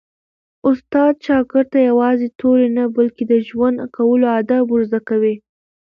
استاد شاګرد ته یوازې توري نه، بلکي د ژوند کولو آداب ور زده کوي.